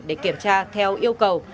để kiểm tra theo yêu cầu